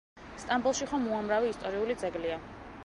სტამბოლში ხომ უამრავი ისტორიული ძეგლია.